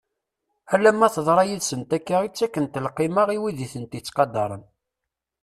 Alamma teḍra yid-sent akka i ttakent lqima i wid i tent-itt-qadaren.